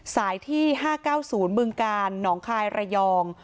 ที่๕๙๐บึงกาลหนองคายระยอง